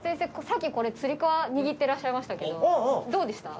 さっきつり革握ってらっしゃいましたけどどうでした？